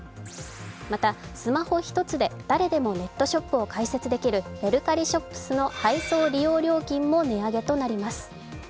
またスマホ１つで誰でもネットショップを開設できるメルカリＳｈｏｐｓの配送利用料金も値上げとなります。